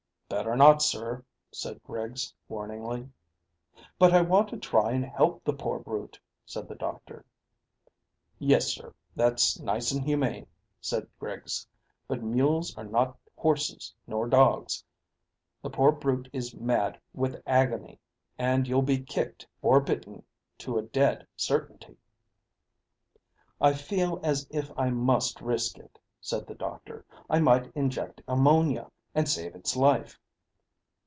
"Better not, sir," said Griggs warningly. "But I want to try and help the poor brute," said the doctor. "Yes, sir; that's nice and humane," said Griggs; "but mules are not horses nor dogs. The poor brute is mad with agony, and you'll be kicked or bitten, to a dead certainty." "I feel as if I must risk it," said the doctor. "I might inject ammonia, and save its life."